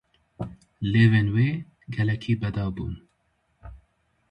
Lêvên wê gelekî bedew bûn.